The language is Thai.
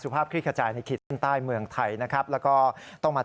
ภาพคลิกขจายในขีดเส้นใต้เมืองไทยนะครับแล้วก็ต้องมา